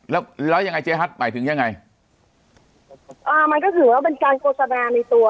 แล้วแล้วยังไงเจ๊ฮัทหมายถึงยังไงอ่ามันก็ถือว่าเป็นการโฆษณาในตัว